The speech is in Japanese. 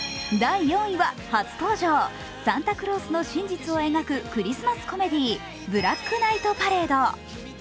サンタクロースの真実を描くクリスマスコメディー、「ブラックナイトパレード」。